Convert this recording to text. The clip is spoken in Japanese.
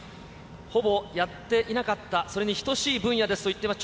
ほぼやっていなかった、それに等しい分野ですと言ってます。